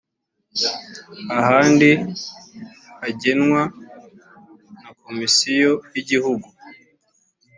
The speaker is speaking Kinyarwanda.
ahandi hagenwa na komisiyo y’ igihugu.